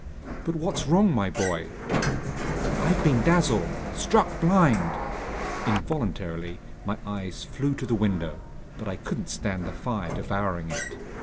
"But what's wrong, my boy?" "I've been dazzled, struck blind!" Involuntarily my eyes flew to the window, but I couldn't stand the fire devouring it.